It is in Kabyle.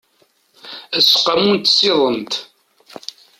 aseqqamu n tsiḍent